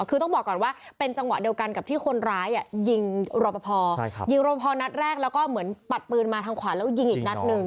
คือต้องบอกก่อนว่าเป็นจังหวะเดียวกันกับที่คนร้ายยิงรอปภยิงรอพอนัดแรกแล้วก็เหมือนปัดปืนมาทางขวาแล้วยิงอีกนัดหนึ่ง